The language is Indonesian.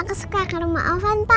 aku suka ke rumah ovan pa